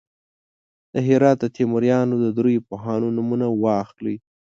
د هرات د تیموریانو د دریو پوهانو نومونه واخلئ.